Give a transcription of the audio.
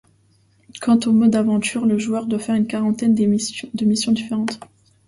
Quant au mode aventure, le joueur doit faire une quarantaine de missions différentes.